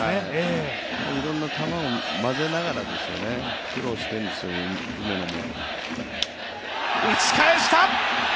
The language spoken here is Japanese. いろんな球を混ぜながらですよね、苦労してるんですよ、梅野も。